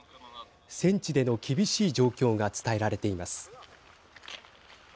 戦地での厳しい状況が伝えられています。